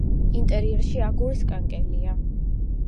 ინტერიერში აგურის კანკელია.